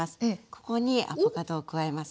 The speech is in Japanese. ここにアボカドを加えますね。